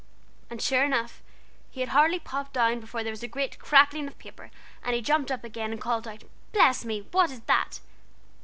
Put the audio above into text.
And sure enough, he had hardly dropped down before there was a great crackling of paper, and he jumped up again and called out, 'Bless me! what is that?'